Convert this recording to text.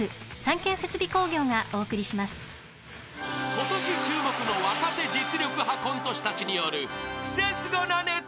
［ことし注目の若手実力派コント師たちによるクセスゴなネタ］